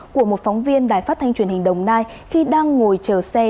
của một phóng viên đài phát thanh truyền hình đồng nai khi đang ngồi chờ xe